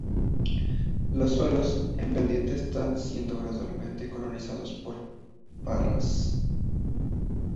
Los suelos en pendiente está siendo gradualmente colonizados por parras.